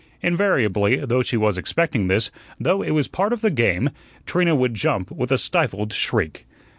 Invariably though she was expecting this, though it was part of the game Trina would jump with a stifled shriek.